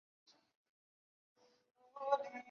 川滇马铃苣苔为苦苣苔科马铃苣苔属下的一个种。